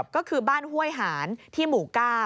ก็คือบ้านห้วยหานที่หมู่๙